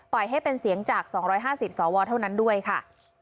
ให้เป็นเสียงจาก๒๕๐สวเท่านั้นด้วยค่ะ